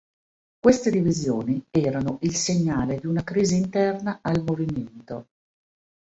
Queste divisioni erano il segnale di una crisi interna al movimento.